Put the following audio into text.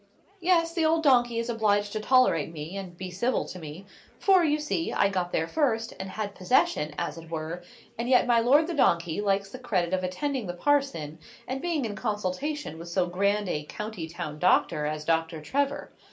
"Yes, the old donkey is obliged to tolerate me, and be civil to me; for, you see, I got there first, and had possession, as it were, and yet my lord the donkey likes the credit of attending the parson, and being in consultation with so grand a county town doctor as Doctor Trevor.